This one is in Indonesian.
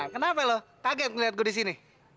kenapa lo kaget ngeliat gue di sini